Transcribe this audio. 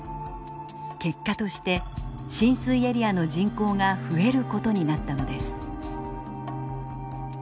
結果として浸水エリアの人口が増えることになったのです。